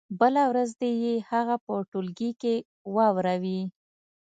بله ورځ دې يې هغه په ټولګي کې واوروي.